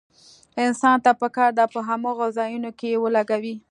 انسان ته پکار ده په هماغو ځايونو کې يې ولګوي.